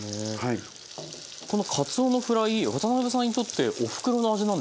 このかつおのフライ渡辺さんにとっておふくろの味なんですって？